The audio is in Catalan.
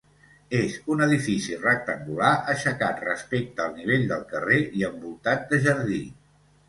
És un edifici rectangular aixecat respecte al nivell del carrer i envoltat de jardí.